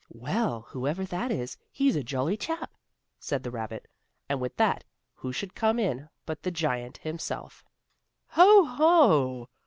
"Well, whoever that is, he's a jolly chap," said the rabbit, and with that who should come in but the giant himself. "Ho! Ho!